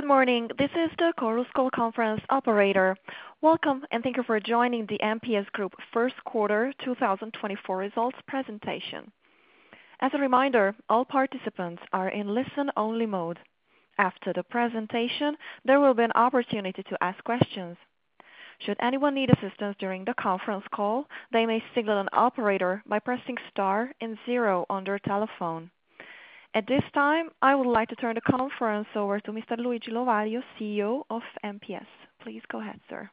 Good morning. This is the Chorus Call Conference operator. Welcome, and thank you for joining the MPS Group First Quarter 2024 results presentation. As a reminder, all participants are in listen-only mode. After the presentation, there will be an opportunity to ask questions. Should anyone need assistance during the conference call, they may signal an operator by pressing star and zero on their telephone. At this time, I would like to turn the conference over to Mr. Luigi Lovaglio, CEO of MPS. Please go ahead, sir.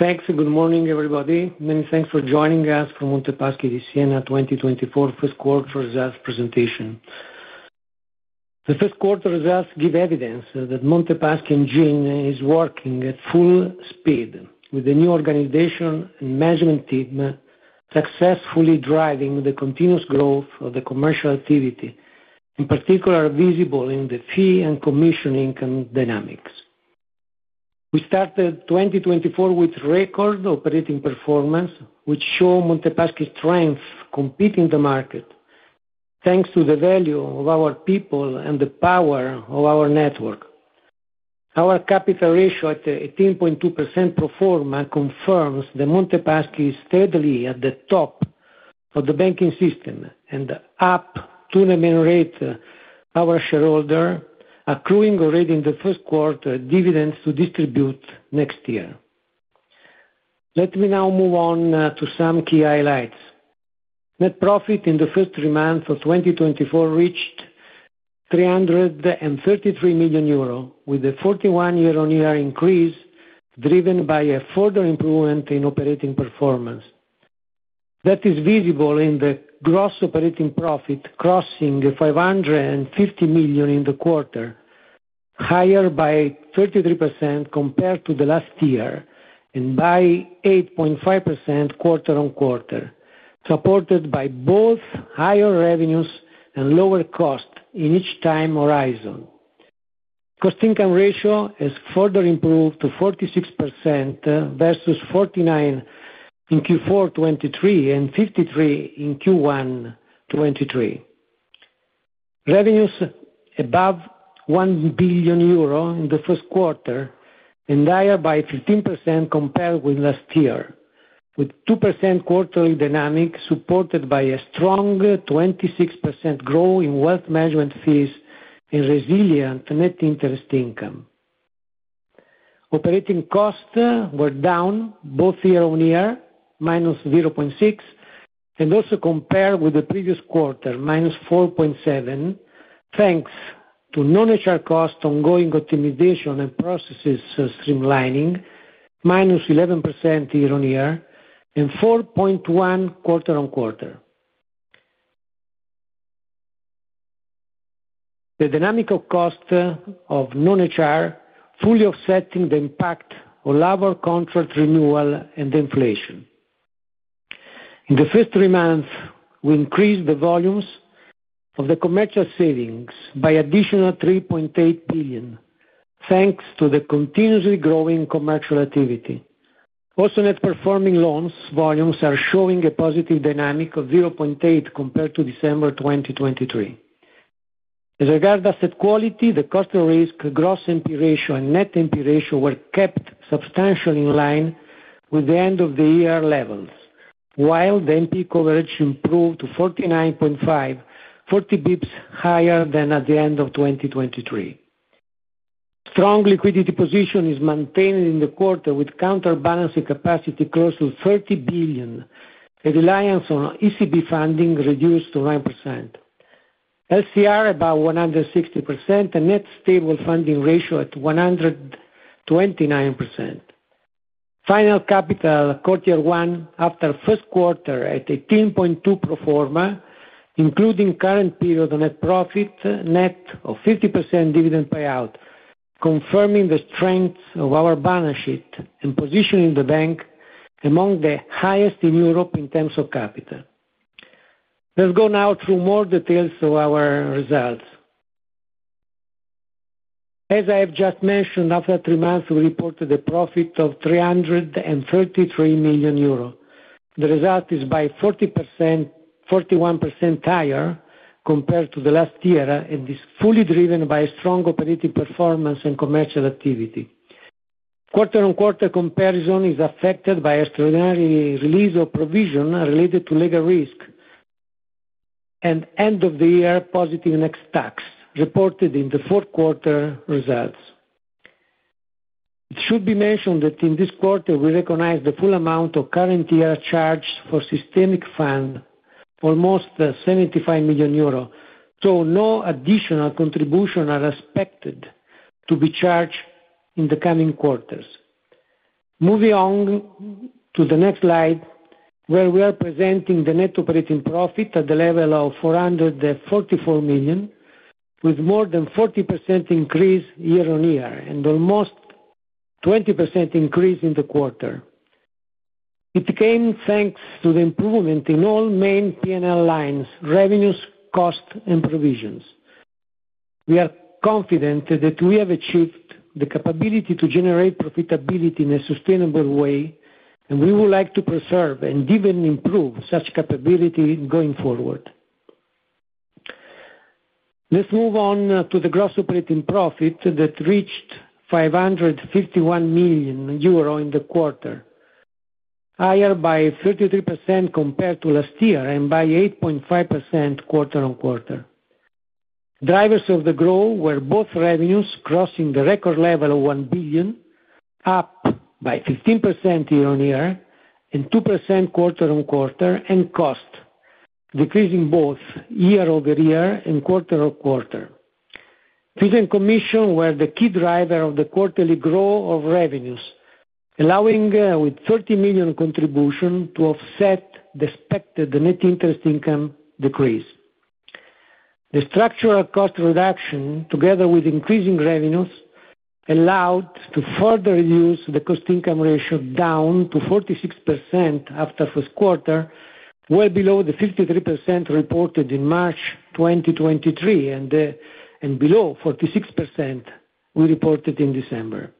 Thanks. Good morning, everybody. Many thanks for joining us for Monte dei Paschi di Siena 2024 first quarter results presentation. The first quarter results give evidence that Monte Paschi engine is working at full speed, with the new organization and management team successfully driving the continuous growth of the commercial activity, in particular visible in the fee and commission income dynamics. We started 2024 with record operating performance, which showed Monte Paschi's strength competing the market thanks to the value of our people and the power of our network. Our capital ratio at 18.2% proforma confirms that Monte Paschi is steadily at the top of the banking system and up to remunerate our shareholders, accruing already in the first quarter dividends to distribute next year. Let me now move on to some key highlights. Net profit in the first three months of 2024 reached 333 million euro, with a 41% year-on-year increase driven by a further improvement in operating performance. That is visible in the gross operating profit crossing 550 million in the quarter, higher by 33% compared to the last year and by 8.5% quarter-on-quarter, supported by both higher revenues and lower costs in each time horizon. Cost income ratio has further improved to 46% versus 49% in Q4 2023 and 53% in Q1 2023. Revenues above 1 billion euro in the first quarter and higher by 15% compared with last year, with 2% quarterly dynamics supported by a strong 26% growth in wealth management fees and resilient net interest income. Operating costs were down both year-over-year, minus 0.6%, and also compared with the previous quarter, minus 4.7% thanks to non-HR cost ongoing optimization and processes streamlining, minus 11% year-over-year and 4.1% quarter-over-quarter. The dynamic of costs of non-HR fully offsetting the impact of labor contract renewal and inflation. In the first three months, we increased the volumes of the commercial savings by an additional 3.8 billion thanks to the continuously growing commercial activity. Also, net performing loans volumes are showing a positive dynamic of 0.8% compared to December 2023. As regards to asset quality, the cost of risk, Gross NPE ratio, and Net NPE ratio were kept substantially in line with the end-of-the-year levels, while the NPE coverage improved to 49.5%, 40 basis points higher than at the end of 2023. Strong liquidity position is maintained in the quarter, with counterbalancing capacity close to 30 billion and reliance on ECB funding reduced to 9%. LCR about 160% and net stable funding ratio at 129%. Final capital quarter one after First Quarter at 18.2% pro forma, including current period of net profit, net of 50% dividend payout, confirming the strength of our balance sheet and positioning the bank among the highest in Europe in terms of capital. Let's go now through more details of our results. As I have just mentioned, after three months, we reported a profit of 333 million euro. The result is by 41% higher compared to the last year, and it is fully driven by strong operating performance and commercial activity. Quarter-on-quarter comparison is affected by extraordinary release of provision related to legal risk and end-of-the-year positive net tax reported in the Fourth Quarter results. It should be mentioned that in this quarter, we recognized the full amount of current year charged for systemic fund, almost 75 million euros, so no additional contribution is expected to be charged in the coming quarters. Moving on to the next slide, where we are presenting the net operating profit at the level of 444 million, with more than 40% increase year-over-year and almost 20% increase in the quarter. It came thanks to the improvement in all main P&L lines, revenues, costs, and provisions. We are confident that we have achieved the capability to generate profitability in a sustainable way, and we would like to preserve and even improve such capability going forward. Let's move on to the gross operating profit that reached 551 million euro in the quarter, higher by 33% compared to last year and by 8.5% quarter-over-quarter. Drivers of the growth were both revenues crossing the record level of 1 billion, up by 15% year-on-year and 2% quarter-on-quarter, and cost decreasing both year-over-year and quarter-over-quarter. Fees and commission were the key driver of the quarterly growth of revenues, allowing, with 30 million contribution, to offset the expected net interest income decrease. The structural cost reduction, together with increasing revenues, allowed to further reduce the cost income ratio down to 46% after First Quarter, well below the 53% reported in March 2023 and below 46% we reported in December.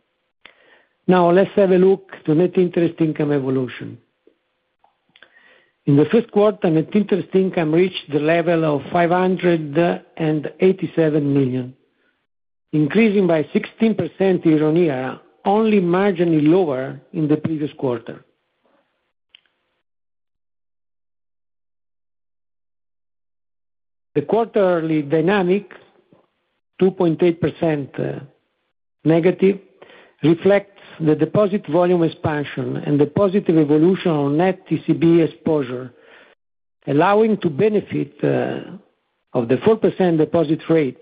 Now, let's have a look at the net interest income evolution. In the First Quarter, net interest income reached the level of 587 million, increasing by 16% year-on-year, only marginally lower in the previous quarter. The quarterly dynamic, 2.8% negative, reflects the deposit volume expansion and the positive evolution of net ECB exposure, allowing to benefit of the 4% deposit rate.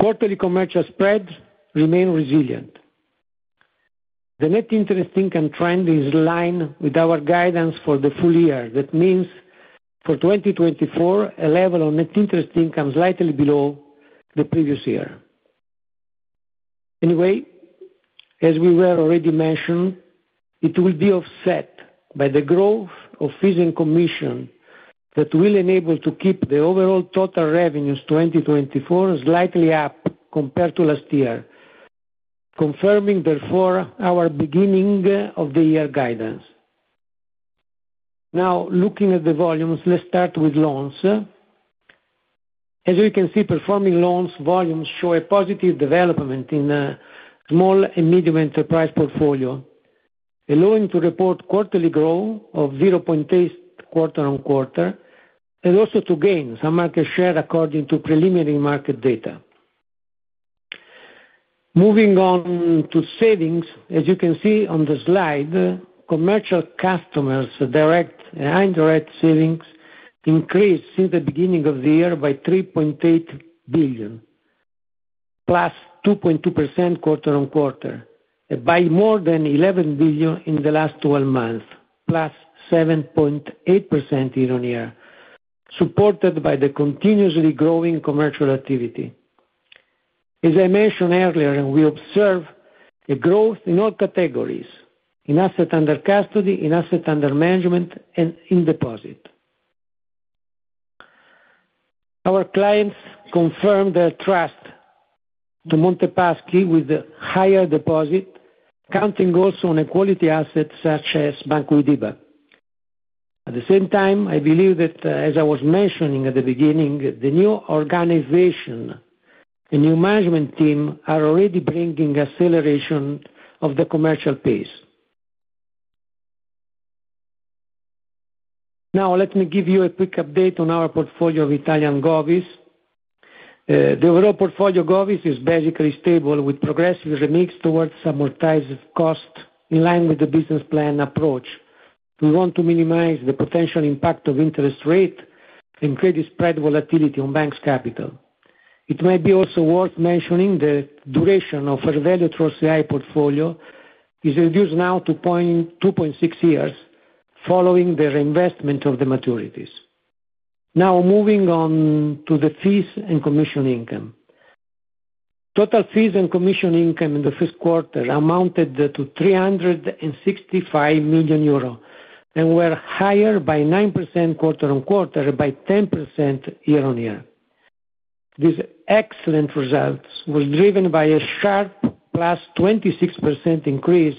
Quarterly commercial spreads remain resilient. The net interest income trend is in line with our guidance for the full year. That means for 2024, a level of net interest income is slightly below the previous year. Anyway, as we were already mentioned, it will be offset by the growth of fees and commission that will enable us to keep the overall total revenues 2024 slightly up compared to last year, confirming, therefore, our beginning of the year guidance. Now, looking at the volumes, let's start with loans. As you can see, performing loans volumes show a positive development in small and medium enterprise portfolios, allowing to report quarterly growth of 0.8% quarter-on-quarter and also to gain some market share according to preliminary market data. Moving on to savings, as you can see on the slide, commercial customers' direct and indirect savings increased since the beginning of the year by 3.8 billion, plus 2.2% quarter-on-quarter, and by more than 11 billion in the last 12 months, plus 7.8% year-on-year, supported by the continuously growing commercial activity. As I mentioned earlier, we observe a growth in all categories: in asset under custody, in asset under management, and in deposit. Our clients confirmed their trust in Monte Paschi with a higher deposit, counting also on a quality asset such as Banca Widiba. At the same time, I believe that, as I was mentioning at the beginning, the new organization and new management team are already bringing acceleration of the commercial pace. Now, let me give you a quick update on our portfolio of Italian Govs. The overall portfolio of Govs is basically stable, with progressive remix towards amortized costs in line with the business plan approach. We want to minimize the potential impact of interest rates and create a spread volatility on banks' capital. It may be also worth mentioning that the duration of fair value through OCI portfolio is reduced now to 2.6 years following the reinvestment of the maturities. Now, moving on to the fees and commission income. Total fees and commission income in the First Quarter amounted to 365 million euros and were higher by 9% quarter-on-quarter and by 10% year-on-year. These excellent results were driven by a sharp +26% increase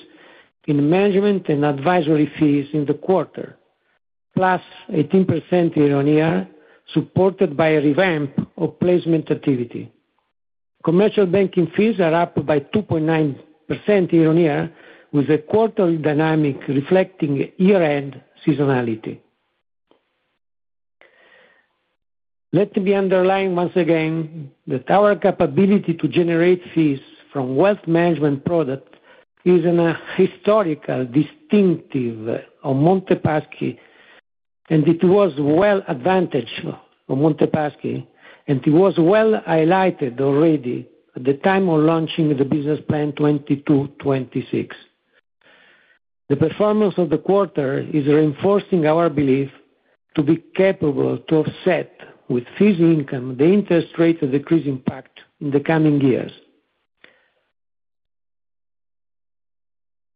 in management and advisory fees in the quarter, +18% year-on-year, supported by a revamp of placement activity. Commercial banking fees are up by 2.9% year-on-year, with a quarterly dynamic reflecting year-end seasonality. Let me underline once again that our capability to generate fees from wealth management products is historically distinctive of Monte Paschi, and it was well advantaged of Monte Paschi, and it was well highlighted already at the time of launching the Business Plan 2022-2026. The performance of the quarter is reinforcing our belief to be capable to offset, with fees income, the interest rate decrease impact in the coming years.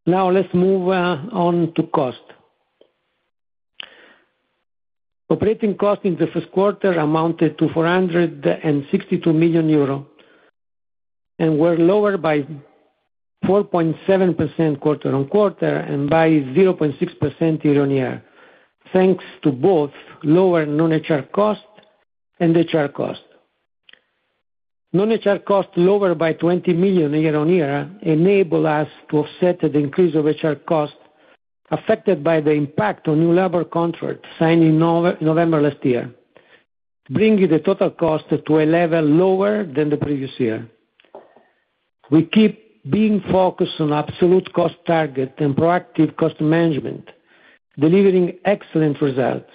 Now, let's move on to cost. Operating costs in the First Quarter amounted to 462 million euro and were lower by 4.7% quarter-on-quarter and by 0.6% year-on-year, thanks to both lower non-HR costs and HR costs. Non-HR costs lower by 20 million year-on-year enable us to offset the increase of HR costs affected by the impact on new labor contracts signed in November last year, bringing the total cost to a level lower than the previous year. We keep being focused on absolute cost targets and proactive cost management, delivering excellent results.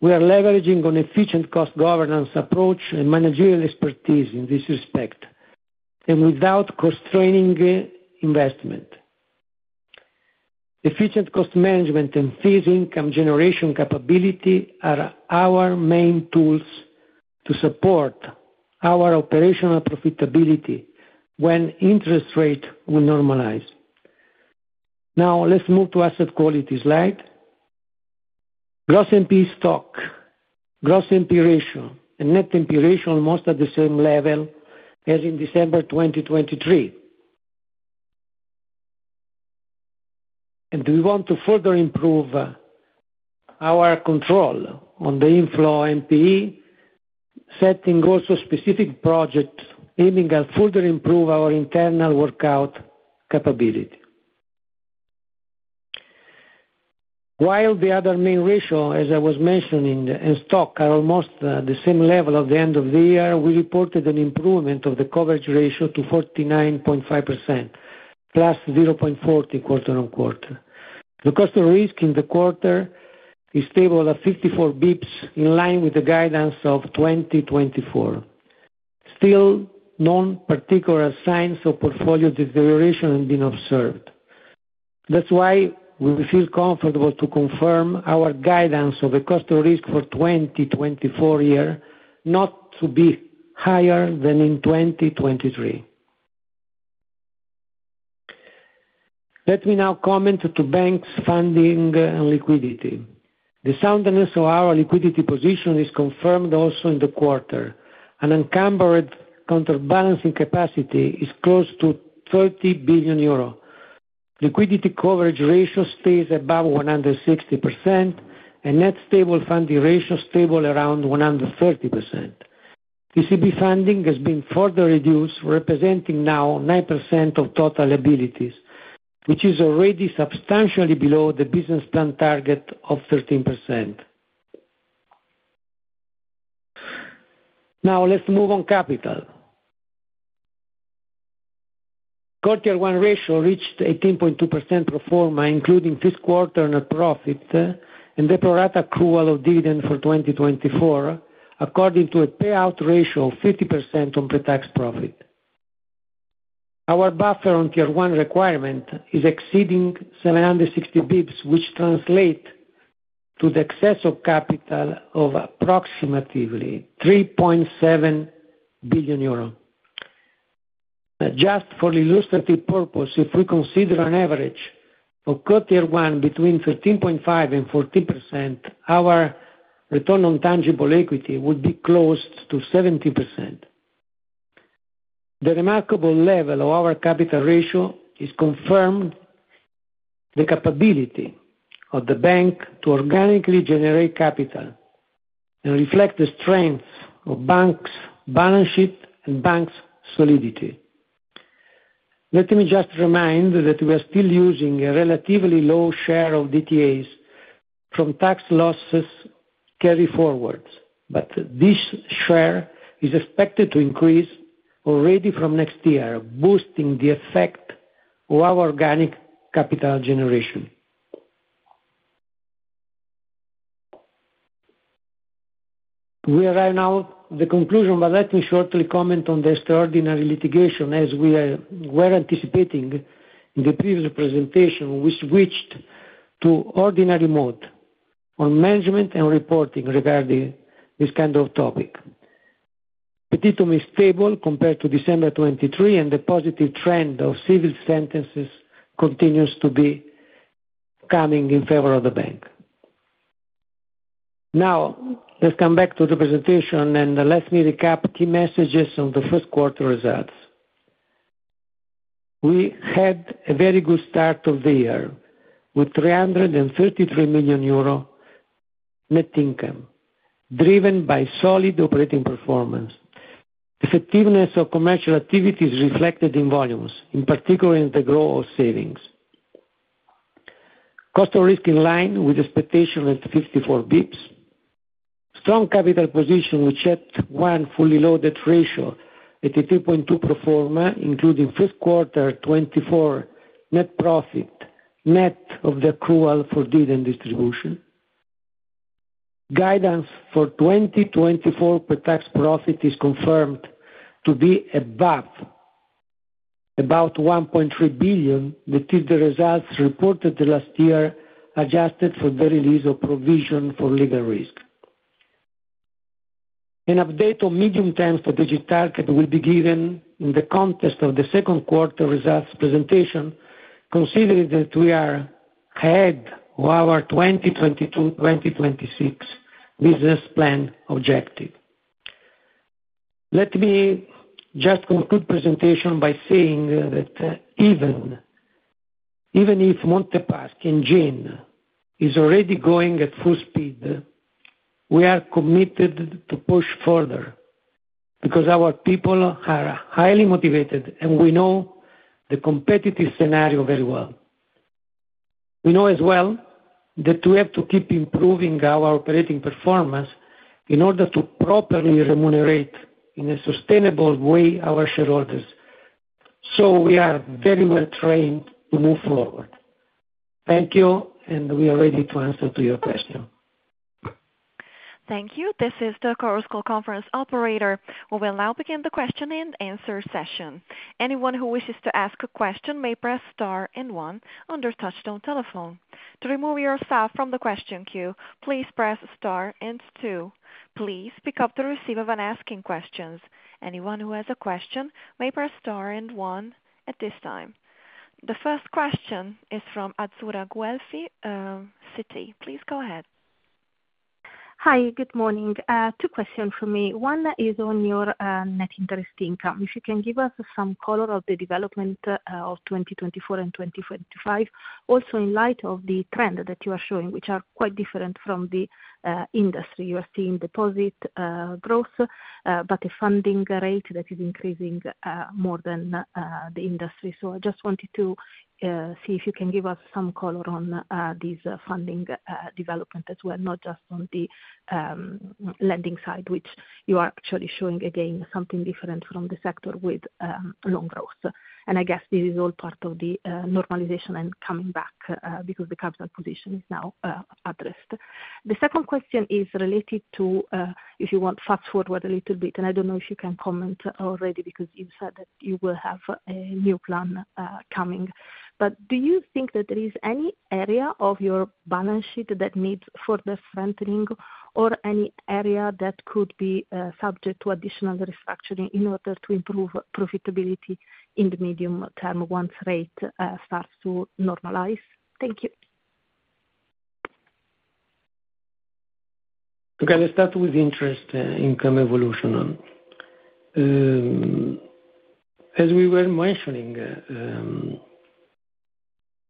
We are leveraging an efficient cost governance approach and managerial expertise in this respect and without constraining investment. Efficient cost management and fees income generation capability are our main tools to support our operational profitability when interest rates will normalize. Now, let's move to asset quality slide. Gross NPE stock, Gross NPE ratio, and Net NPE ratio are almost at the same level as in December 2023, and we want to further improve our control on the inflow NPE, setting also specific projects aiming at further improving our internal workout capability. While the other main ratio, as I was mentioning, and stock are almost at the same level at the end of the year, we reported an improvement of the coverage ratio to 49.5% plus 0.40% quarter-on-quarter. The cost of risk in the quarter is stable at 54 basis points in line with the guidance of 2024. Still, no particular signs of portfolio deterioration have been observed. That's why we feel comfortable to confirm our guidance of the cost of risk for 2024 year not to be higher than in 2023. Let me now comment on banks' funding and liquidity. The soundness of our liquidity position is confirmed also in the quarter. An unencumbered counterbalancing capacity is close to 30 billion euro. Liquidity coverage ratio stays above 160% and net stable funding ratio is stable around 130%. ECB funding has been further reduced, representing now 9% of total liabilities, which is already substantially below the business plan target of 13%. Now, let's move on capital. Quarter one ratio reached 18.2% pro forma, including first quarter net profit and the pro rata accrual of dividend for 2024, according to a payout ratio of 50% on pre-tax profit. Our buffer on Tier 1 requirement is exceeding 760 basis points, which translates to the excess of capital of approximately 3.7 billion euro. Just for illustrative purposes, if we consider an average of Quarter one between 13.5% and 14%, our return on tangible equity would be close to 70%. The remarkable level of our capital ratio is confirming the capability of the bank to organically generate capital and reflect the strength of banks' balance sheet and banks' solidity. Let me just remind that we are still using a relatively low share of DTAs from tax losses carried forwards, but this share is expected to increase already from next year, boosting the effect of our organic capital generation. We are right now at the conclusion, but let me shortly comment on the extraordinary litigation, as we were anticipating in the previous presentation, which switched to ordinary mode on management and reporting regarding this kind of topic. Petitum is stable compared to December 2023, and the positive trend of civil sentences continues to be coming in favor of the bank. Now, let's come back to the presentation, and let me recap the key messages on the First Quarter results. We had a very good start of the year with 333 million euro net income driven by solid operating performance. Effectiveness of commercial activity is reflected in volumes, in particular in the growth of savings. Cost of risk is in line with expectations at 54 basis points. Strong capital position, which set one fully loaded ratio at a 3.2 proforma, including First Quarter 2024 net profit, net of the accrual for dividend distribution. Guidance for 2024 pre-tax profit is confirmed to be above about 1.3 billion, which is the results reported last year adjusted for the release of provision for legal risk. An update on medium term strategic target will be given in the context of the Second Quarter results presentation, considering that we are ahead of our 2022-2026 business plan objective. Let me just conclude the presentation by saying that even if Monte Paschi engine is already going at full speed, we are committed to push further because our people are highly motivated, and we know the competitive scenario very well. We know as well that we have to keep improving our operating performance in order to properly remunerate in a sustainable way our shareholders. So we are very well trained to move forward. Thank you, and we are ready to answer your question. Thank you. This is the Chorus Call Conference Operator. We will now begin the question and answer session. Anyone who wishes to ask a question may press star and one on your Touch-Tone telephone. To remove yourself from the question queue, please press star and two. Please pick up the receiver when asking questions. Anyone who has a question may press star and one at this time. The first question is from Azzurra Guelfi, Citi. Please go ahead. Hi. Good morning. Two questions for me. One is on your net interest income. If you can give us some color on the development of 2024 and 2025, also in light of the trend that you are showing, which are quite different from the industry. You are seeing deposit growth, but a funding rate that is increasing more than the industry. So I just wanted to see if you can give us some color on this funding development as well, not just on the lending side, which you are actually showing again something different from the sector with loan growth. And I guess this is all part of the normalization and coming back because the capital position is now addressed. The second question is related to if you want to fast forward a little bit, and I don't know if you can comment already because you said that you will have a new plan coming, but do you think that there is any area of your balance sheet that needs further strengthening or any area that could be subject to additional restructuring in order to improve profitability in the medium term once rate starts to normalize? Thank you. Okay. Let's start with interest income evolution. As we were mentioning,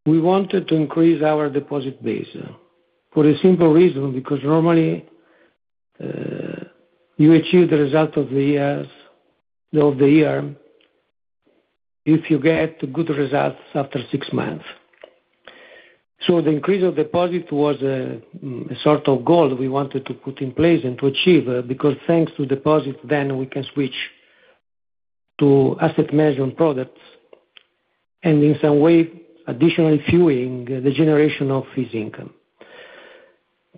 we wanted to increase our deposit base for a simple reason because normally you achieve the result of the year if you get good results after six months. So the increase of deposit was a sort of goal we wanted to put in place and to achieve because thanks to deposit, then we can switch to asset management products and in some way additionally fueling the generation of fees income.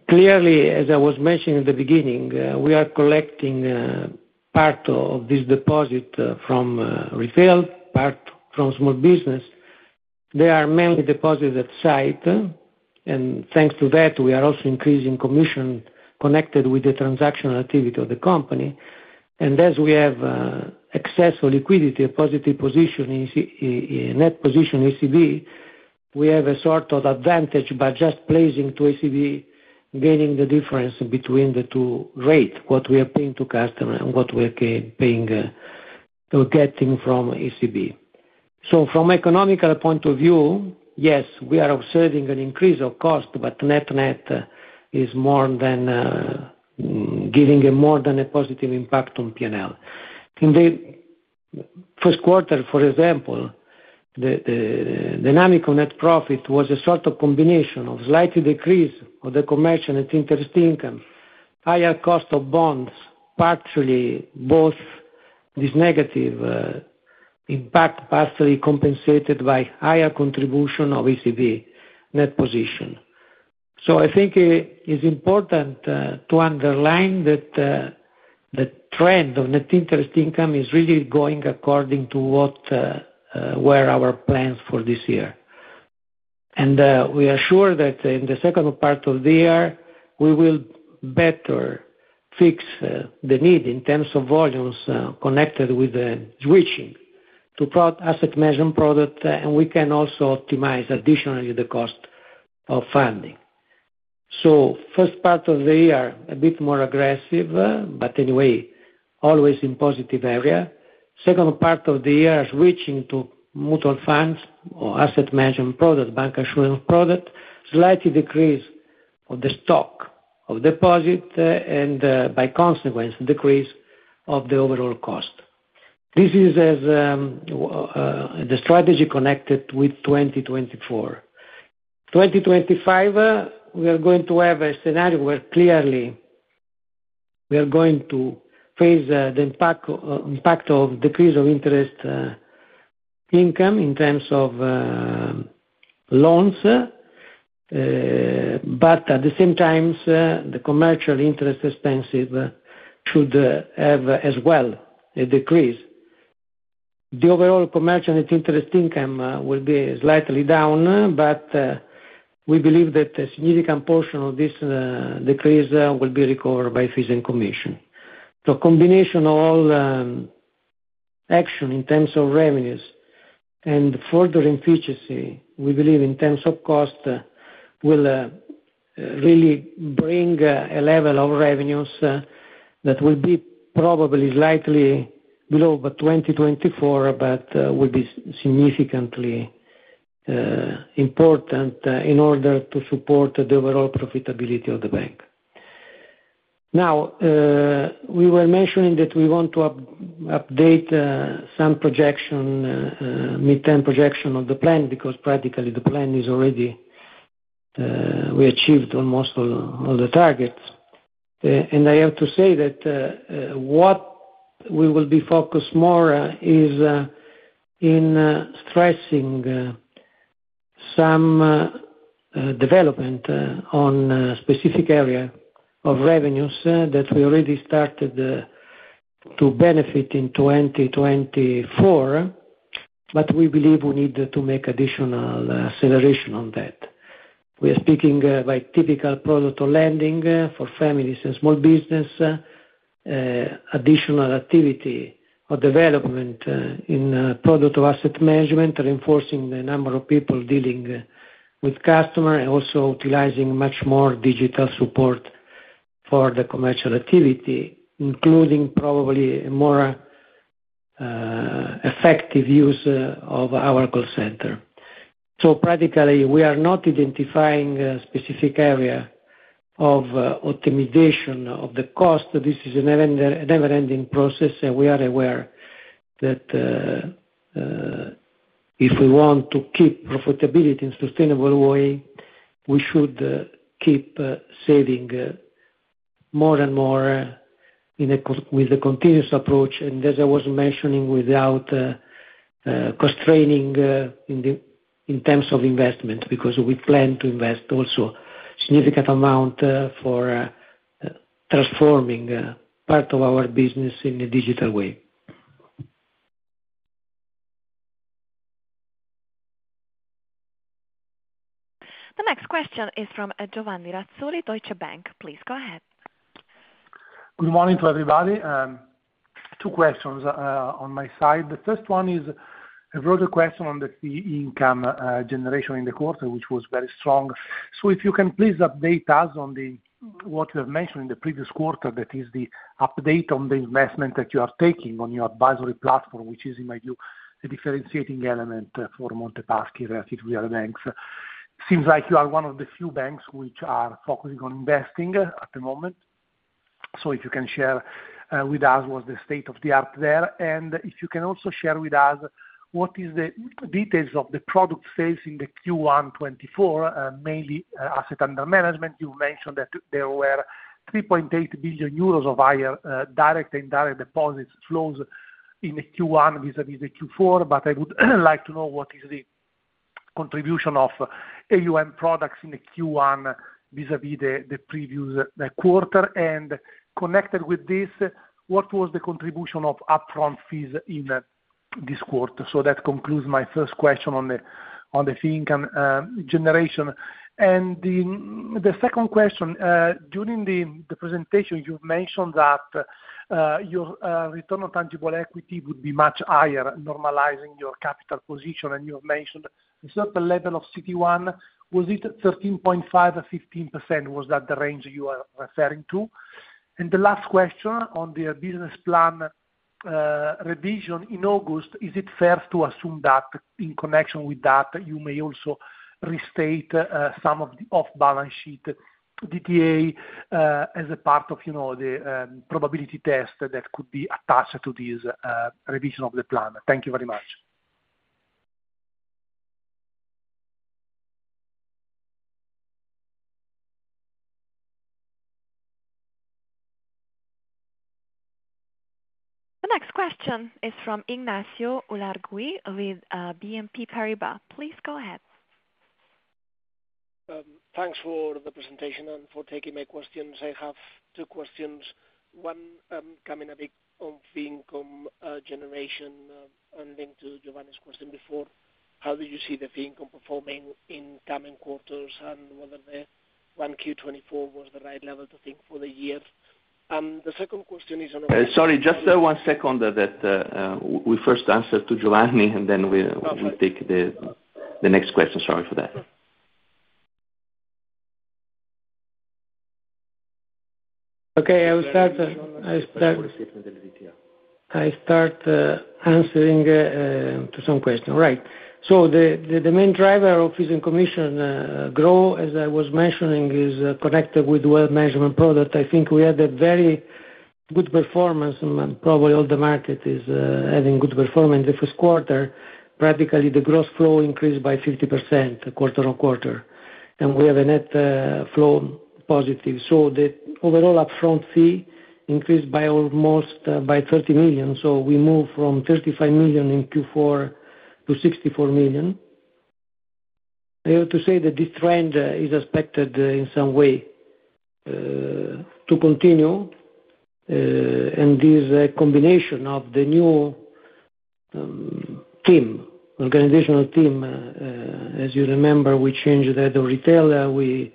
Clearly, as I was mentioning in the beginning, we are collecting part of this deposit from retail, part from small business. They are mainly deposited at sight, and thanks to that, we are also increasing commission connected with the transactional activity of the company. And as we have excess of liquidity, a positive net position ECB, we have a sort of advantage by just placing to ECB, gaining the difference between the two rates, what we are paying to customers and what we are getting from ECB. So, from an economic point of view, yes, we are observing an increase of cost, but net-net is more than giving more than a positive impact on P&L. In the first quarter, for example, the dynamic of net profit was a sort of combination of slight decrease of the commercial and interest income, higher cost of bonds, partially both this negative impact partially compensated by higher contribution of ECB net position. So, I think it is important to underline that the trend of net interest income is really going according to what were our plans for this year. And we are sure that in the second part of the year, we will better fix the need in terms of volumes connected with switching to asset management product, and we can also optimize additionally the cost of funding. So first part of the year, a bit more aggressive, but anyway, always in positive area. Second part of the year, switching to mutual funds or asset management product, bank assurance product, slightly decrease of the stock of deposit and by consequence, decrease of the overall cost. This is the strategy connected with 2024. 2025, we are going to have a scenario where clearly we are going to face the impact of decrease of interest income in terms of loans, but at the same time, the commercial interest expenses should have as well a decrease. The overall commercial and interest income will be slightly down, but we believe that a significant portion of this decrease will be recovered by fees and commission. The combination of all action in terms of revenues and further efficiency, we believe in terms of cost, will really bring a level of revenues that will be probably slightly below 2024, but will be significantly important in order to support the overall profitability of the bank. Now, we were mentioning that we want to update some mid-term projection of the plan because practically the plan is already we achieved almost all the targets. And I have to say that what we will be focused more is in stressing some development on a specific area of revenues that we already started to benefit in 2024, but we believe we need to make additional acceleration on that. We are speaking by typical product or lending for families and small business, additional activity or development in product or asset management, reinforcing the number of people dealing with customers and also utilizing much more digital support for the commercial activity, including probably a more effective use of our call center. So practically, we are not identifying a specific area of optimization of the cost. This is a never-ending process, and we are aware that if we want to keep profitability in a sustainable way, we should keep saving more and more with the continuous approach. And as I was mentioning, without constraining in terms of investment because we plan to invest also a significant amount for transforming part of our business in a digital way. The next question is from Giovanni Razzoli, Deutsche Bank. Please go ahead. Good morning to everybody. Two questions on my side. The first one is a broader question on the fee income generation in the quarter, which was very strong. So if you can please update us on what you have mentioned in the previous quarter, that is the update on the investment that you are taking on your advisory platform, which is in my view a differentiating element for Monte Paschi relative to the other banks. Seems like you are one of the few banks which are focusing on investing at the moment. So if you can share with us what's the state of the art there, and if you can also share with us what is the details of the product sales in the Q1 2024, mainly asset under management. You mentioned that there were 3.8 billion euros of higher direct and indirect deposit flows in the Q1 vis-à-vis the Q4, but I would like to know what is the contribution of AUM products in the Q1 vis-à-vis the previous quarter. And connected with this, what was the contribution of upfront fees in this quarter? So that concludes my first question on the fee income generation. And the second question, during the presentation, you mentioned that your return on tangible equity would be much higher, normalizing your capital position, and you have mentioned a certain level of CET1. Was it 13.5% or 15%? Was that the range you are referring to? And the last question on the business plan revision in August, is it fair to assume that in connection with that, you may also restate some of the off-balance sheet DTA as a part of the probability test that could be attached to this revision of the plan? Thank you very much. The next question is from Ignacio Ulargui with BNP Paribas. Please go ahead. Thanks for the presentation and for taking my questions. I have two questions. One coming a bit on fee income generation and linked to Giovanni's question before. How do you see the fee income performing in coming quarters and whether the 1Q24 was the right level to think for the year? And the second question is on. Sorry. Just one second that we first answer to Giovanni, and then we take the next question. Sorry for that. Okay. I will start. I will start. I start answering to some question. Right. So the main driver of fees and commission growth, as I was mentioning, is connected with wealth management product. I think we had a very good performance, and probably all the market is having good performance this quarter. Practically, the gross flow increased by 50% quarter-on-quarter, and we have a net flow positive. So the overall upfront fee increased by almost 30 million. So we move from 35 million in Q4 to 64 million. I have to say that this trend is expected in some way to continue. And this combination of the new organizational team, as you remember, we changed the head of retail. We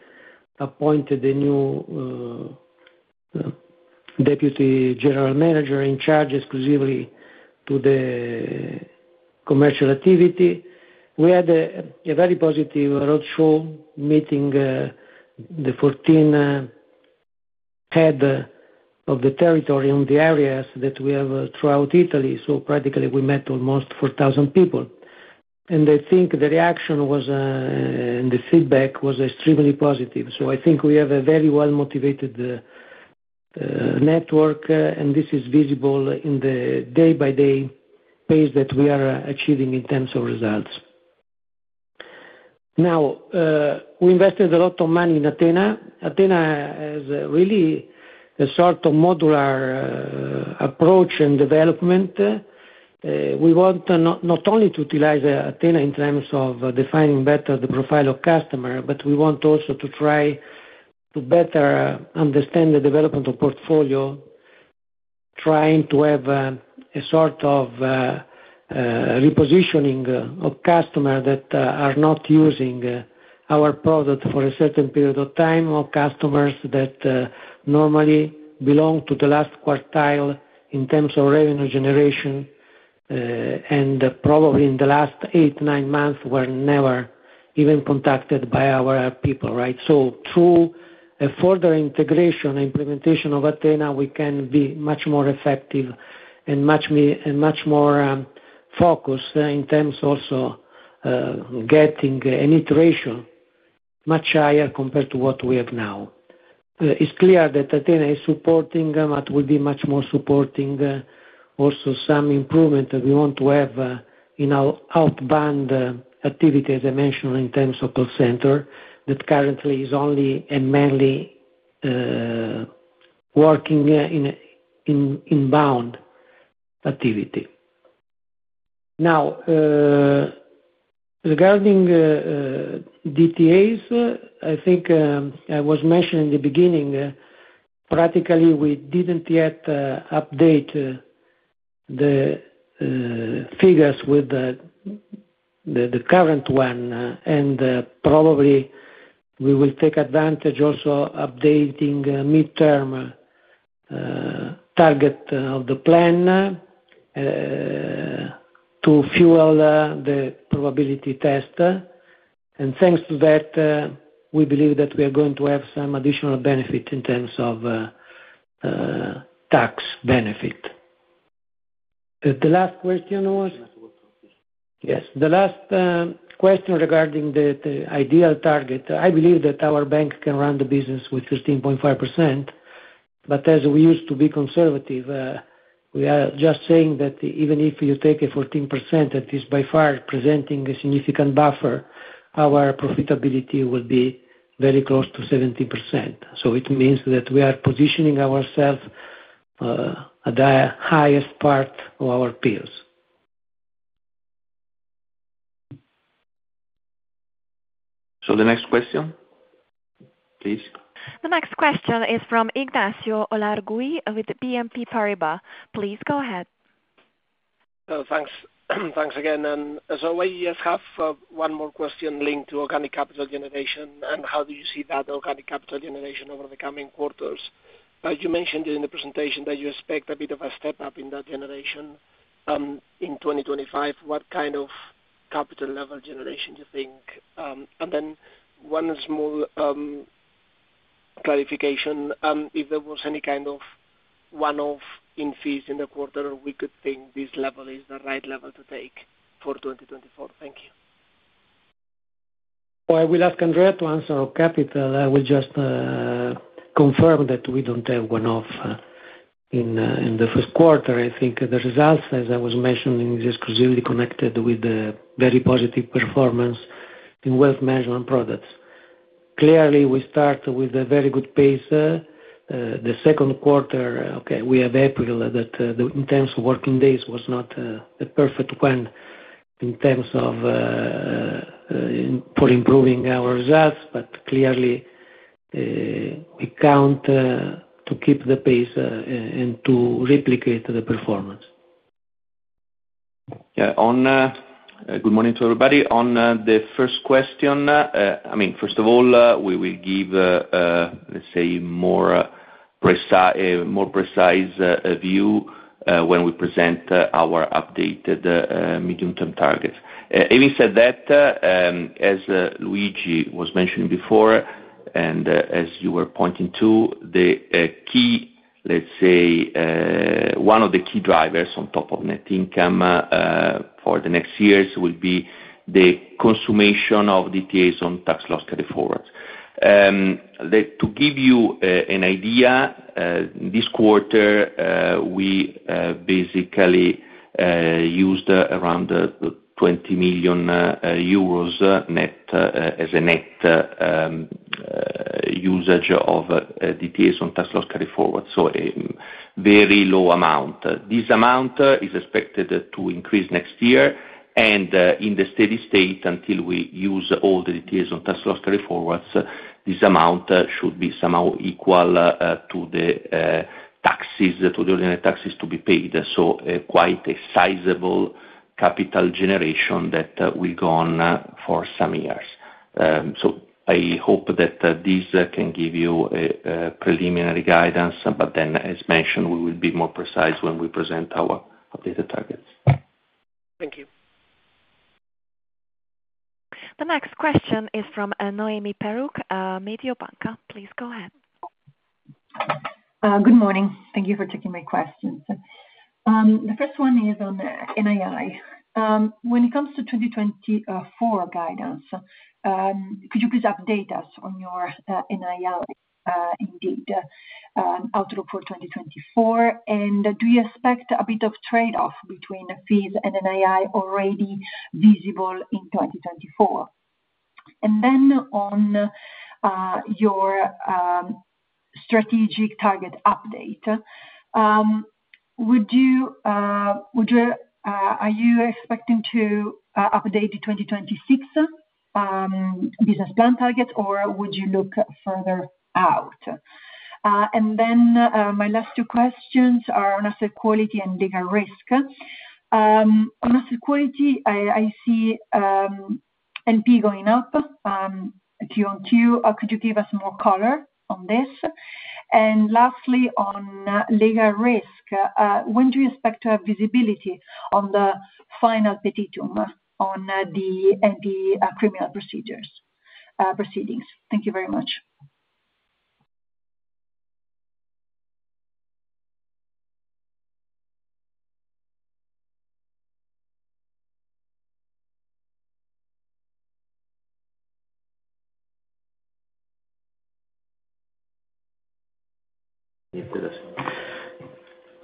appointed the new deputy general manager in charge exclusively of the commercial activity. We had a very positive roadshow meeting, the 14 head of the territory on the areas that we have throughout Italy. Practically, we met almost 4,000 people. I think the reaction and the feedback was extremely positive. I think we have a very well-motivated network, and this is visible in the day-by-day pace that we are achieving in terms of results. Now, we invested a lot of money in Athena. Athena has really a sort of modular approach and development. We want not only to utilize Athena in terms of defining better the profile of customer, but we want also to try to better understand the development of portfolio, trying to have a sort of repositioning of customers that are not using our product for a certain period of time or customers that normally belong to the last quartile in terms of revenue generation and probably in the last eight, nine months were never even contacted by our people. Right? Through further integration and implementation of Athena, we can be much more effective and much more focused in terms also of getting an iteration much higher compared to what we have now. It's clear that Athena is supporting, but will be much more supporting also some improvement that we want to have in our outbound activity, as I mentioned, in terms of call center that currently is only and mainly working inbound activity. Now, regarding DTAs, I think I was mentioning in the beginning, practically, we didn't yet update the figures with the current one, and probably we will take advantage also of updating mid-term target of the plan to fuel the probability test. Thanks to that, we believe that we are going to have some additional benefit in terms of tax benefit. The last question was. Yes. The last question regarding the ideal target, I believe that our bank can run the business with 15.5%, but as we used to be conservative, we are just saying that even if you take a 14%, that is by far presenting a significant buffer, our profitability will be very close to 70%. So it means that we are positioning ourselves at the highest part of our peers. So the next question, please. The next question is from Ignacio Ulargui with BNP Paribas. Please go ahead. Thanks again. And so I have one more question linked to organic capital generation. And how do you see that organic capital generation over the coming quarters? You mentioned during the presentation that you expect a bit of a step-up in that generation in 2025. What kind of capital level generation do you think? And then one small clarification, if there was any kind of one-off in fees in the quarter, we could think this level is the right level to take for 2024. Thank you. Well, I will ask Andrea to answer on capital. I will just confirm that we don't have one-off in the first quarter. I think the results, as I was mentioning, is exclusively connected with very positive performance in wealth management products. Clearly, we start with a very good pace. The second quarter, okay, we have April that in terms of working days was not the perfect one in terms of improving our results, but clearly, we count to keep the pace and to replicate the performance. Yeah. Good morning to everybody. On the first question, I mean, first of all, we will give, let's say, a more precise view when we present our updated medium-term targets. Having said that, as Luigi was mentioning before and as you were pointing to, let's say, one of the key drivers on top of net income for the next years will be the conversion of DTAs on tax loss carryforwards. To give you an idea, this quarter, we basically used around 20 million as a net usage of DTAs on tax loss carryforwards, so a very low amount. This amount is expected to increase next year. In the steady state, until we use all the DTAs on tax loss carryforwards, this amount should be somehow equal to the ordinary taxes to be paid. Quite a sizable capital generation that will go on for some years. I hope that this can give you preliminary guidance, but then, as mentioned, we will be more precise when we present our updated targets. Thank you. The next question is from Noemi Peruch, Mediobanca. Please go ahead. Good morning. Thank you for taking my questions. The first one is on NII. When it comes to 2024 guidance, could you please update us on your NII indeed outlook for 2024? And do you expect a bit of trade-off between fees and NII already visible in 2024? And then on your strategic target update, are you expecting to update the 2026 business plan target, or would you look further out? And then my last two questions are on asset quality and legal risk. On asset quality, I see NPL going up Q on Q. Could you give us more color on this? And lastly, on legal risk, when do you expect to have visibility on the final petitum on the MPS criminal proceedings? Thank you very much.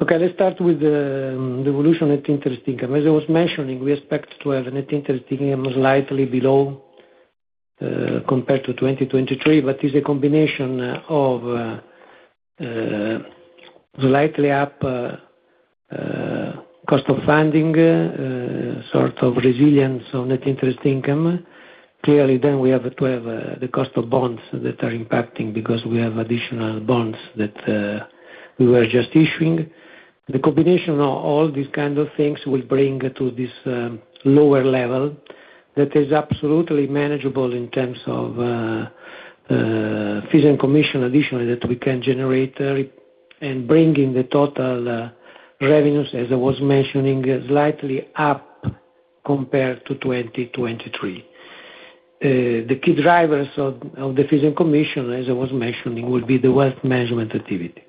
Okay. Let's start with the evolution of net interest income. As I was mentioning, we expect to have a net interest income slightly below compared to 2023, but it's a combination of slightly up cost of funding, sort of resilience on net interest income. Clearly, then we have to have the cost of bonds that are impacting because we have additional bonds that we were just issuing. The combination of all these kind of things will bring to this lower level that is absolutely manageable in terms of fees and commission additionally that we can generate and bringing the total revenues, as I was mentioning, slightly up compared to 2023. The key drivers of the fees and commission, as I was mentioning, will be the wealth management activity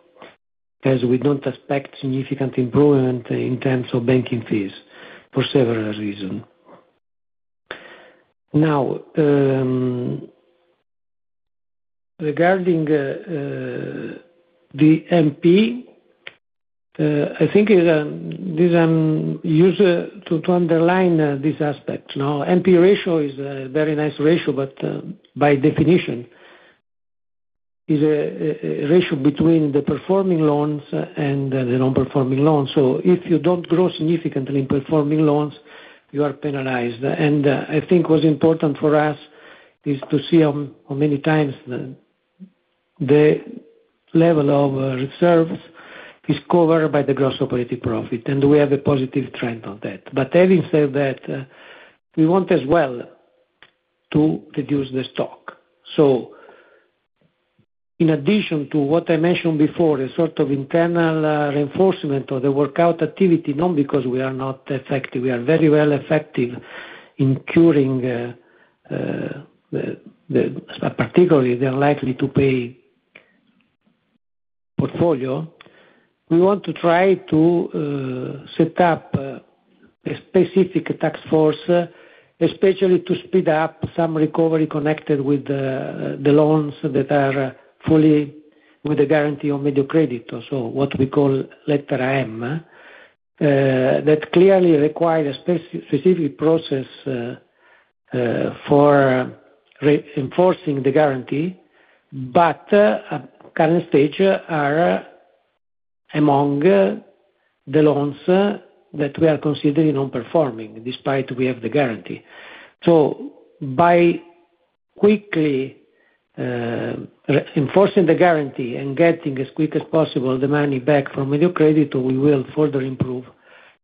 because we don't expect significant improvement in terms of banking fees for several reasons. Now, regarding the NP, I think this is used to underline this aspect. Now, NP ratio is a very nice ratio, but by definition, it's a ratio between the performing loans and the non-performing loans. So if you don't grow significantly in performing loans, you are penalized. I think what's important for us is to see how many times the level of reserves is covered by the gross operating profit, and we have a positive trend on that. Having said that, we want as well to reduce the stock. So in addition to what I mentioned before, a sort of internal reinforcement of the workout activity, not because we are not effective—we are very well effective in curing, particularly, the unlikely-to-pay portfolio—we want to try to set up a specific task force, especially to speed up some recovery connected with the loans that are fully with a guarantee on Mediocredito, also what we call letter M, that clearly require a specific process for enforcing the guarantee, but at the current stage, are among the loans that we are considering non-performing despite we have the guarantee. So by quickly enforcing the guarantee and getting as quick as possible the money back from Mediocredito, we will further improve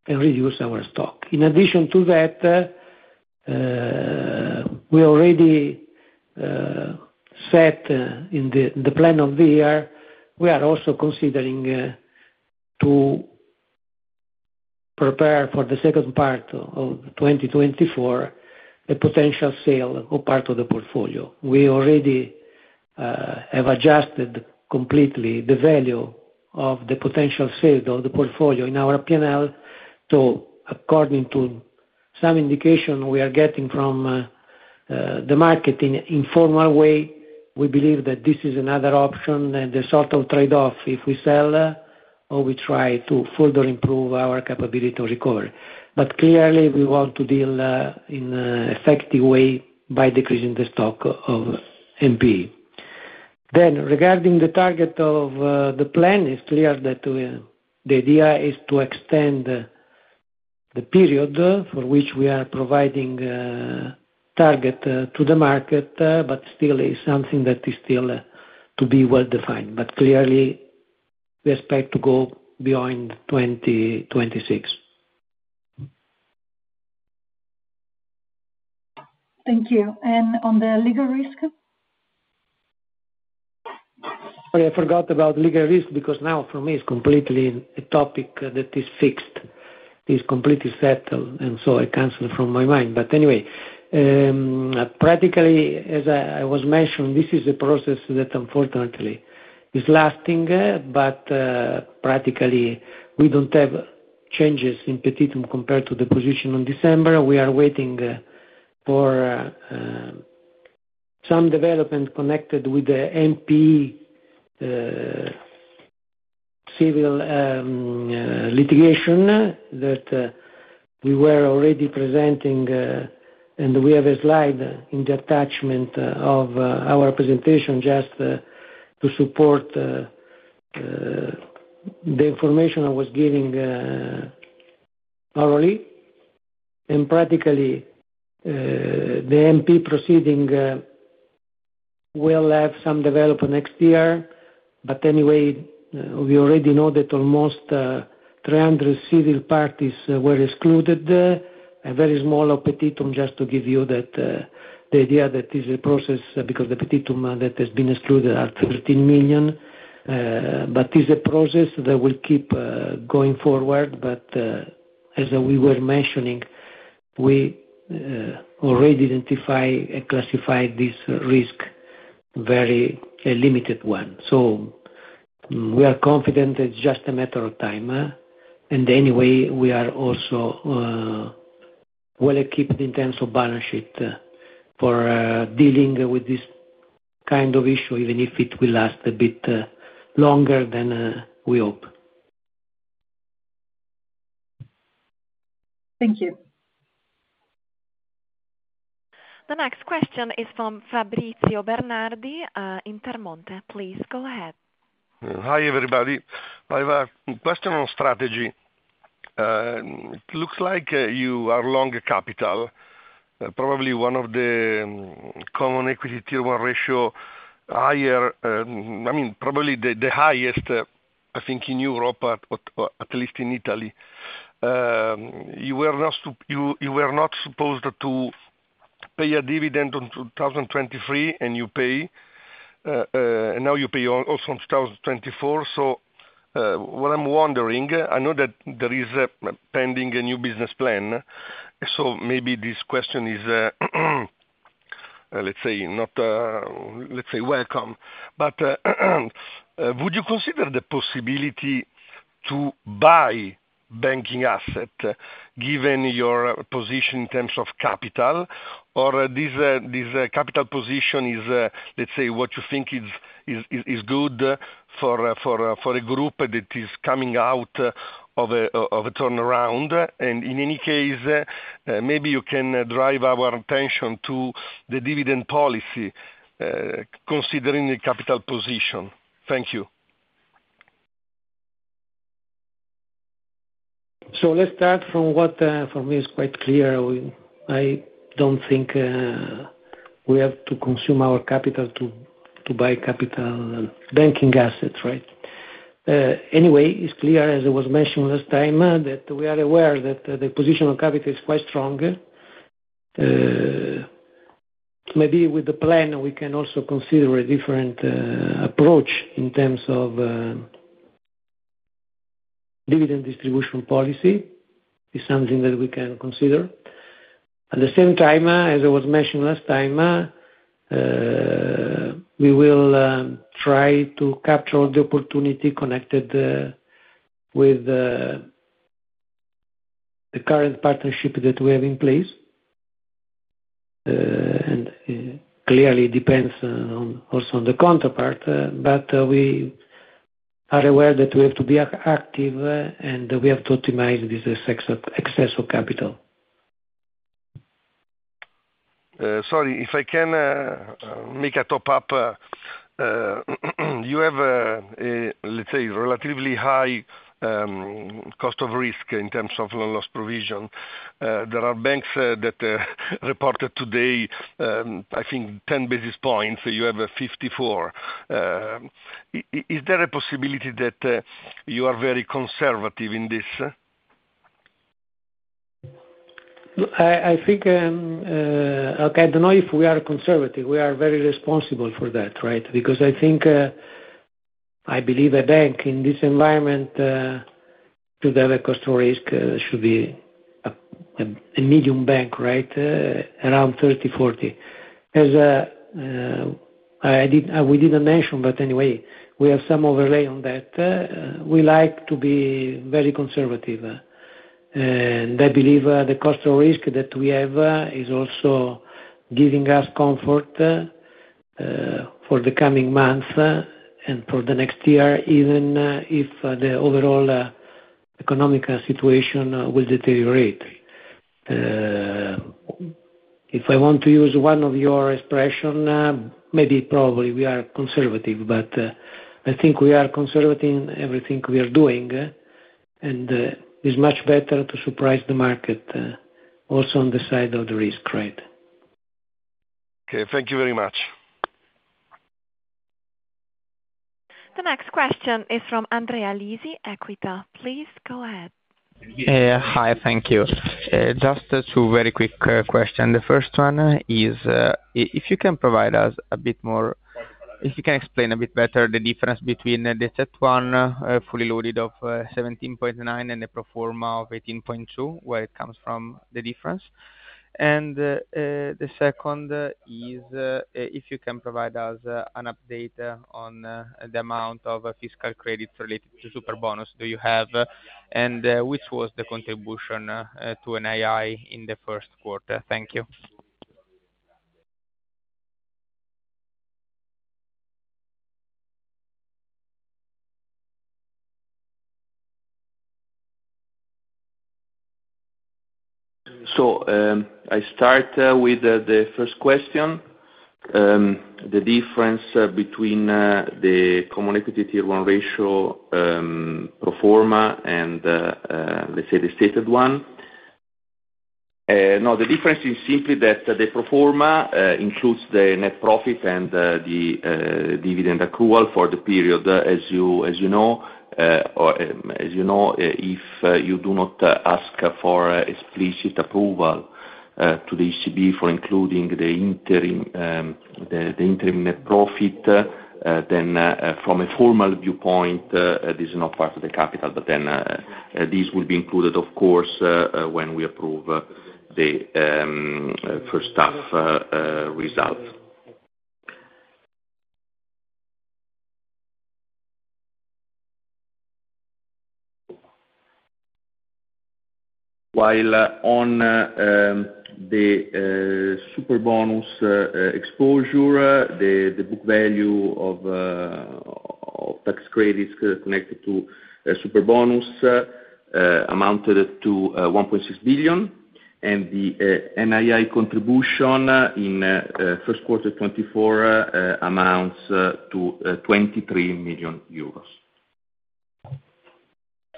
and reduce our stock. In addition to that, we already set in the plan of the year, we are also considering to prepare for the second part of 2024 a potential sale of part of the portfolio. We already have adjusted completely the value of the potential sales of the portfolio in our P&L. So according to some indication we are getting from the market in a informal way, we believe that this is another option and a sort of trade-off if we sell or we try to further improve our capability to recover. But clearly, we want to deal in an effective way by decreasing the stock of NP. Then regarding the target of the plan, it's clear that the idea is to extend the period for which we are providing target to the market, but still is something that is still to be well defined. But clearly, we expect to go beyond 2026. Thank you. And on the legal risk? Sorry, I forgot about legal risk because now, for me, it's completely a topic that is fixed. It's completely settled, and so I canceled it from my mind. But anyway, practically, as I was mentioned, this is a process that, unfortunately, is lasting, but practically, we don't have changes in petitum compared to the position in December. We are waiting for some development connected with the MPS civil litigation that we were already presenting, and we have a slide in the attachment of our presentation just to support the information I was giving orally. And practically, the NP proceeding will have some development next year. But anyway, we already know that almost 300 civil parties were excluded. A very small petitum, just to give you the idea that it's a process because the petitum that has been excluded at 13 million, but it's a process that will keep going forward. But as we were mentioning, we already identify and classify this risk, a very limited one. So we are confident it's just a matter of time. And anyway, we are also well equipped in terms of balance sheet for dealing with this kind of issue, even if it will last a bit longer than we hope. Thank you. The next question is from Fabrizio Bernardi in Intermonte. Please go ahead. Hi, everybody. Question on strategy. It looks like you are long capital, probably one of the Common Equity Tier 1 ratio higher. I mean, probably the highest, I think, in Europe, at least in Italy. You were not supposed to pay a dividend in 2023, and you pay. Now you pay also in 2024. So what I'm wondering, I know that there is pending a new business plan. So maybe this question is, let's say, not welcome. But would you consider the possibility to buy banking asset given your position in terms of capital, or this capital position is, let's say, what you think is good for a group that is coming out of a turnaround? And in any case, maybe you can drive our attention to the dividend policy considering the capital position. Thank you. So let's start from what, for me, is quite clear. I don't think we have to consume our capital to buy capital banking assets, right? Anyway, it's clear, as I was mentioning last time, that we are aware that the position of capital is quite strong. Maybe with the plan, we can also consider a different approach in terms of dividend distribution policy. It's something that we can consider. At the same time, as I was mentioning last time, we will try to capture all the opportunity connected with the current partnership that we have in place. And clearly, it depends also on the counterpart, but we are aware that we have to be active, and we have to optimize this excess of capital. Sorry, if I can make a follow-up, you have, let's say, relatively high cost of risk in terms of loan loss provision. There are banks that reported today, I think, 10 basis points. You have 54. Is there a possibility that you are very conservative in this? I think, okay, I don't know if we are conservative. We are very responsible for that, right? Because I believe a bank in this environment should have a cost of risk, should be a medium bank, right? Around 30, 40. We didn't mention, but anyway, we have some overlay on that. We like to be very conservative. And I believe the cost of risk that we have is also giving us comfort for the coming months and for the next year, even if the overall economic situation will deteriorate. If I want to use one of your expressions, maybe probably we are conservative, but I think we are conservative in everything we are doing. And it's much better to surprise the market also on the side of the risk, right? Okay. Thank you very much. The next question is from Andrea Lisi, Equita. Please go ahead. Hi. Thank you. Just two very quick questions. The first one is if you can provide us a bit more if you can explain a bit better the difference between the CET1 fully loaded of 17.9% and the pro forma of 18.2%, where it comes from, the difference. And the second is if you can provide us an update on the amount of fiscal credits related to Superbonus. Do you have? And which was the contribution to NII in the first quarter? Thank you. So I start with the first question, the difference between the Common Equity Tier one ratio pro forma and, let's say, the stated one. No, the difference is simply that the pro forma includes the net profit and the dividend accrual for the period, as you know. As you know, if you do not ask for explicit approval to the ECB for including the interim net profit, then from a formal viewpoint, this is not part of the capital. But then this will be included, of course, when we approve the first half result. While on the Superbonus exposure, the book value of tax credits connected to Superbonus amounted to 1.6 billion, and the NII contribution in first quarter 2024 amounts to 23 million euros.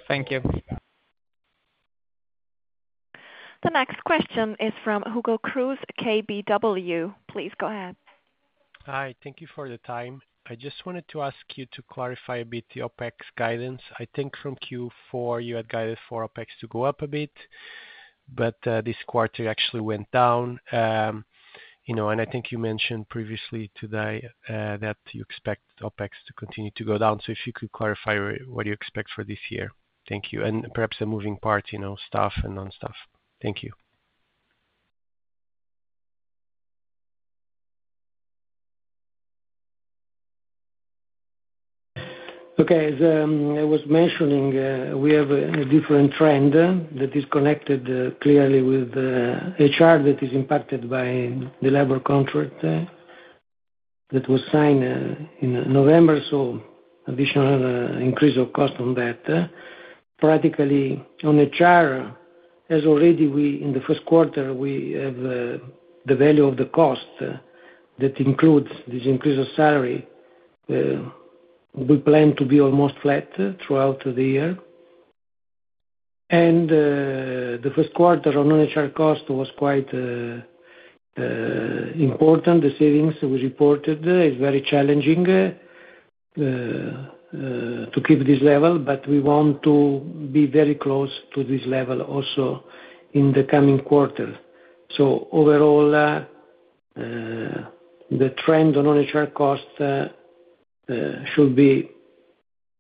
Thank you. The next question is from Hugo Cruz KBW. Please go ahead. Hi. Thank you for your time. I just wanted to ask you to clarify a bit the OpEx guidance. I think from Q4, you had guided for OpEx to go up a bit, but this quarter actually went down. And I think you mentioned previously today that you expect OpEx to continue to go down. So if you could clarify what you expect for this year. Thank you. And perhaps the moving part, staff and non-staff. Thank you. Okay. As I was mentioning, we have a different trend that is connected clearly with HR that is impacted by the labor contract that was signed in November, so additional increase of cost on that. Practically, on HR, as already in the first quarter, we have the value of the cost that includes this increase of salary. We plan to be almost flat throughout the year. The first quarter on non-HR cost was quite important. The savings we reported is very challenging to keep this level, but we want to be very close to this level also in the coming quarter. So overall, the trend on non-HR cost should be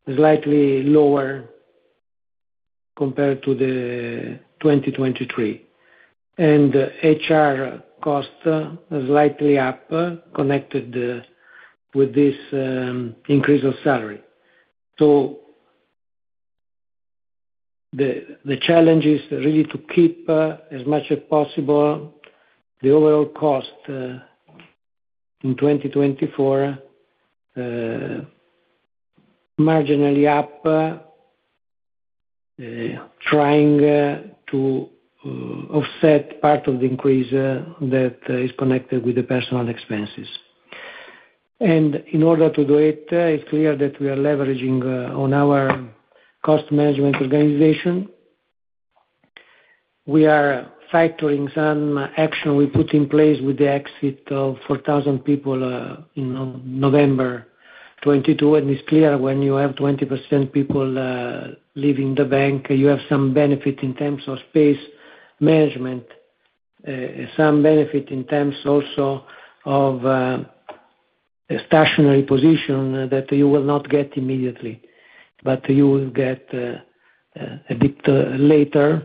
slightly lower compared to 2023. HR cost slightly up connected with this increase of salary. So the challenge is really to keep as much as possible the overall cost in 2024 marginally up, trying to offset part of the increase that is connected with the personnel expenses. And in order to do it, it's clear that we are leveraging on our cost management organization. We are factoring some action we put in place with the exit of 4,000 people in November 2022. And it's clear when you have 20% people leaving the bank, you have some benefit in terms of space management, some benefit in terms also of a stationery position that you will not get immediately, but you will get a bit later.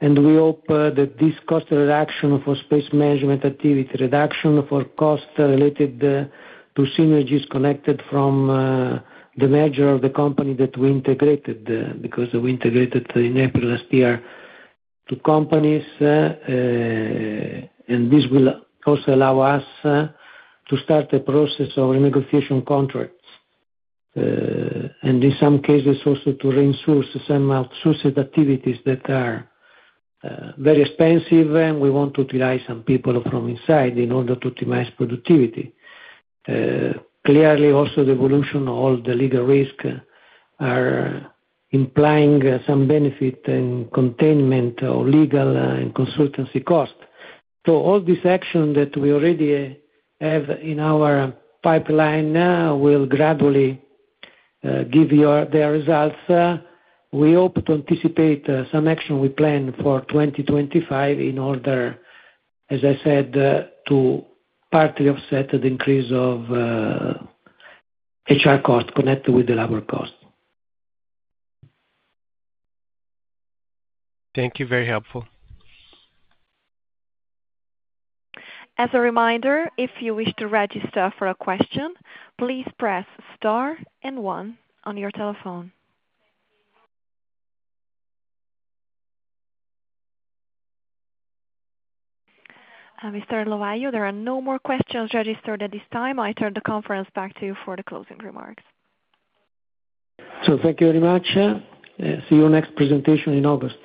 And we hope that this cost reduction for space management activity, reduction for cost related to synergies connected from the merger of the company that we integrated because we integrated in April last year two companies. This will also allow us to start a process of renegotiation contracts. In some cases, also to reinforce some outsourced activities that are very expensive. We want to utilize some people from inside in order to optimize productivity. Clearly, also, the evolution of all the legal risk are implying some benefit in containment of legal and consultancy cost. So all this action that we already have in our pipeline will gradually give their results. We hope to anticipate some action we plan for 2025 in order, as I said, to partly offset the increase of HR cost connected with the labor cost. Thank you. Very helpful. As a reminder, if you wish to register for a question, please press star and one on your telephone. Mr. Lovaglio, there are no more questions registered at this time. I turn the conference back to you for the closing remarks. Thank you very much. See you next presentation in August.